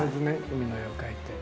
海の絵を描いて。